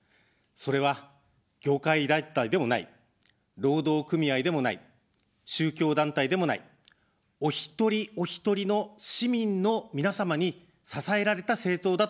それは、業界団体でもない、労働組合でもない、宗教団体でもない、お一人おひとりの市民の皆様に支えられた政党だという点です。